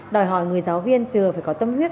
đòi hỏi người giáo viên vừa phải có tâm huyết